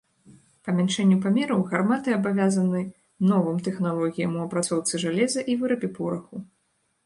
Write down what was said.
Памяншэнню памераў гарматы абавязаны новым тэхналогіям у апрацоўцы жалеза і вырабе пораху.